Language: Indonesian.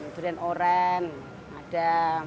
durian oran ada